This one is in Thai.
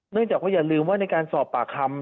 จากว่าอย่าลืมว่าในการสอบปากคำ